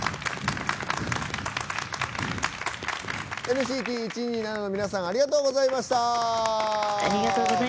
ＮＣＴ１２７の皆さんありがとうございました。